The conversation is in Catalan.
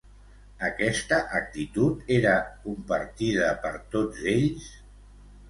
Aquesta actitud era compartida per tots ells?